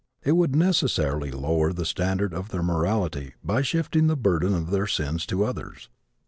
It would necessarily lower the standard of their morality by shifting the burden of their sins to others.